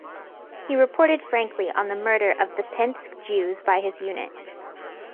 He reported frankly on the murder of the Pinsk Jews by his unit.